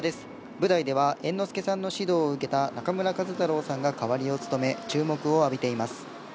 舞台では猿之助さんの指導を受けた中村壱太郎さんが代役を務め注目を浴びています。